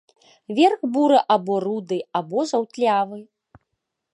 Верх буры або руды, або жаўтлявы.